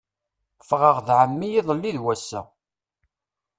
Ffɣeɣ d ɛemmi iḍelli d wass-a.